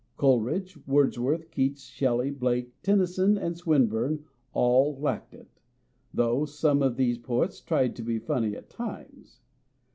Coleridge, Wordsworth, Keats, Shelley, Blake, Tennyson, and Swin burne all lacked it, though some of these poets tried to be funny at times.